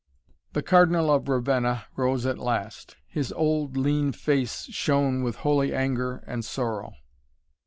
The Cardinal of Ravenna rose at last. His old, lean face shone with holy anger and sorrow.